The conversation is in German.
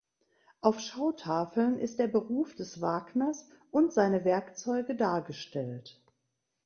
Auf Schautafeln ist der Beruf des Wagners und seine Werkzeuge dargestellt.